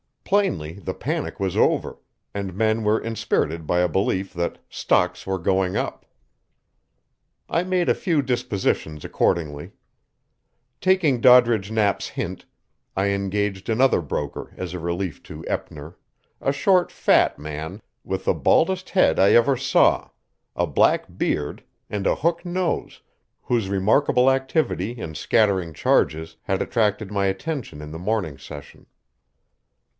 Plainly the panic was over, and men were inspirited by a belief that "stocks were going up." I made a few dispositions accordingly. Taking Doddridge Knapp's hint, I engaged another broker as a relief to Eppner, a short fat man, with the baldest head I ever saw, a black beard and a hook nose, whose remarkable activity and scattering charges had attracted my attention in the morning session.